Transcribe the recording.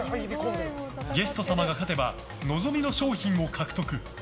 ゲスト様が勝てば望みの賞品を獲得。